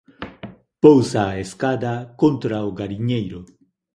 Pousa a escada contra o galiñeiro